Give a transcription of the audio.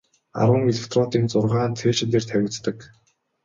Арван электродын зургаа нь цээжин дээр тавигддаг.